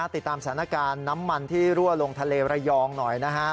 ติดตามสถานการณ์น้ำมันที่รั่วลงทะเลระยองหน่อยนะฮะ